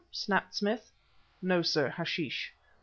snapped Smith. "No, sir, hashish."